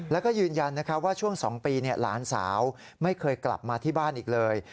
แล้วก็ยืนยันว่าช่วง๒ปีหลานสาวไม่เคยกลับมาที่บ้านอีกเลย